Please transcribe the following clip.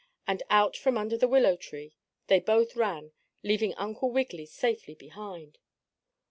And out from under the willow tree they both ran, leaving Uncle Wiggily safely behind.